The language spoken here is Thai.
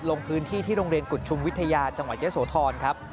ลงพื้นที่ที่โรงเรียนกุฎชุมวิทยาจังหวัดเยอะโสธรครับ